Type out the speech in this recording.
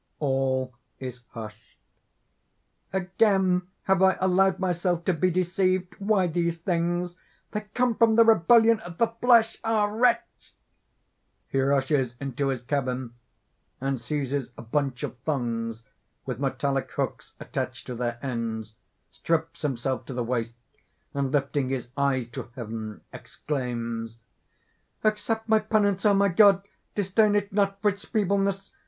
All is hushed._) "Again have I allowed myself to be deceived! Why these things? They come from the rebellion of the flesh. Ah! wretch!" (_He rushes into his cabin, and seizes a bunch of thongs, with metallic hooks attached to their ends, strips himself to the waist and, lifting his eyes to heaven exclaims_:) "Accept my penance, O my God: disdain it not for its feebleness.